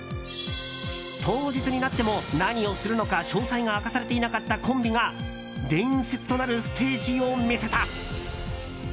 当日になっても何をするのか詳細が明かされていなかったコンビが伝説となるステージを見せた。